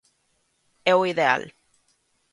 É o ideal.